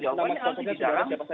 sponsornya siapa saja